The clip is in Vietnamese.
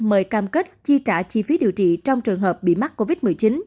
mời cam kết chi trả chi phí điều trị trong trường hợp bị mắc covid một mươi chín